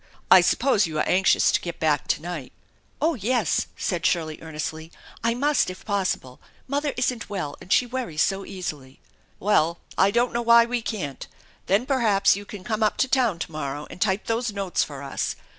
I suppose you are anxious to get back to night ?"" Oh, yes," said Shirley earnestly, " I must, if possible. Mother isn't well and she worries so easily." " Well, I don't know why we can't. Then perhaps you can come up to town to morrow and type those notes for us.